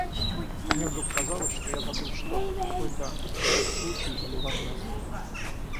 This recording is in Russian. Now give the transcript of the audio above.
Мне вдруг казалось, что я забыл что-то, какой-то случай или важное слово.